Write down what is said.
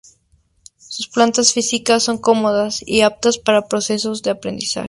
Sus plantas físicas son cómodas y aptas para el proceso de aprendizaje.